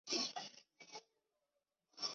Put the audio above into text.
以朝鲜王朝君王世宗大王命名。